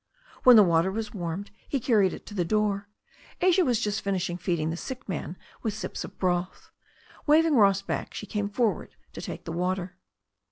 When the water was warmed he carried it to the door. Asia had just finished feeding the sick man with sips of broth. Waving Ross back, she came forward to take the water.